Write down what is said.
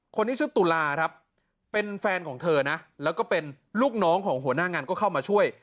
คนนี้ชื่อตุลาครับเป็นแฟนของเธอนะแล้วก็เป็นลูกน้องของหัวหน้างานก็เข้ามาช่วย